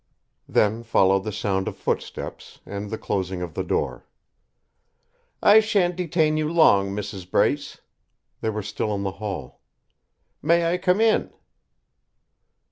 Then followed the sound of footsteps, and the closing of the door. "I shan't detain you long, Mrs. Brace." They were still in the hall. "May I come in?"